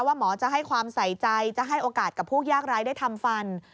หมอจะให้ความใส่ใจจะให้โอกาสกับผู้ยากร้ายได้ทำฟัน